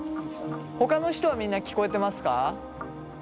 ほかの人はみんな聞こえてますか？